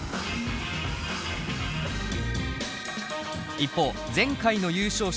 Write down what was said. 一方前回の優勝者